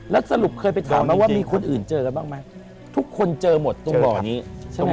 แล้วสรุปเคยไปถามมั้ยว่ามีคนอื่นเจอกันบ้างมั้ยทุกคนเจอหมดตรงบ่อนี้ใช่มั้ยครับ